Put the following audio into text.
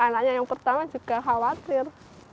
anaknya yang pertama juga khawatir